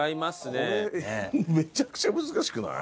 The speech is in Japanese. これめちゃくちゃ難しくない？